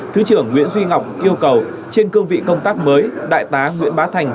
thứ trưởng nguyễn duy ngọc yêu cầu trên cương vị công tác mới đại tá nguyễn bá thành